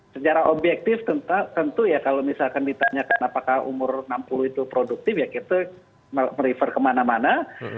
secara objektif tentu ya kalau misalkan ditanyakan apakah umur enam puluh itu produktif ya kita merefer kemana mana